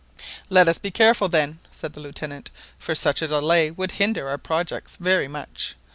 "Let us be careful, then," said the Lieutenant; "for such a delay, would hinder our projects very much.